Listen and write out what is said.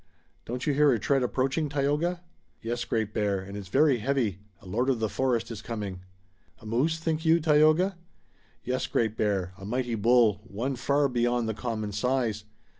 Don't you hear a tread approaching, Tayoga?" "Yes, Great Bear, and it's very heavy. A lord of the forest is coming." "A moose, think you, Tayoga?" "Yes, Great Bear, a mighty bull, one far beyond the common size.